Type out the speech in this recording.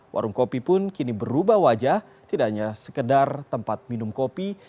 warung kopi pun kini berubah wajah tidak hanya sekedar tempat minum kopi